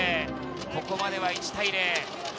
ここまでは１対０。